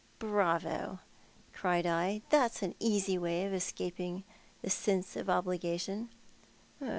" Bravo !" cried I ;" that's an easy way of escaping the sense of obligation."